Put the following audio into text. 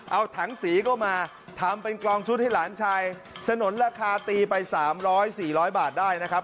เอาถังสีก็มาทำเป็นกลองชุดให้หลานชายสนุนราคาตีไป๓๐๐๔๐๐บาทได้นะครับ